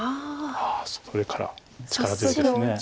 ああそれから力強いです。